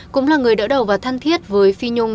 cũng là người đỡ đầu và thân thiết với phi nhung